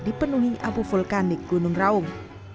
dipenuhi abu vulkanik gunung raung